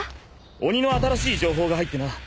鬼の新しい情報が入ってな。